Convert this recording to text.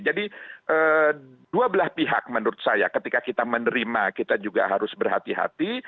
jadi dua belah pihak menurut saya ketika kita menerima kita juga harus berhati hati